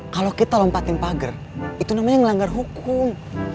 kalau kita lompatin pagar itu namanya melanggar hukum